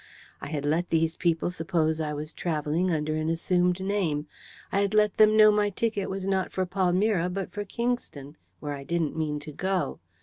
I had let these people suppose I was travelling under an assumed name. I had let them know my ticket was not for Palmyra but for Kingston, where I didn't mean to go.